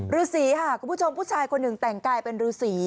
ฤษีค่ะคุณผู้ชมผู้ชายคนหนึ่งแต่งกายเป็นฤษี